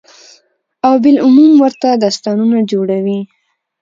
او بالعموم ورته داستانونه جوړوي،